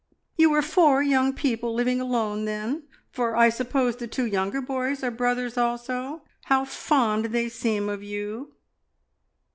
"You are four young people living alone, then? for I suppose the two younger boys are brothers also. How fond they seem of you!"